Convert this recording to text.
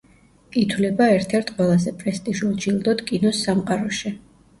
ითვლება ერთ-ერთ ყველაზე პრესტიჟულ ჯილდოდ კინოს სამყაროში.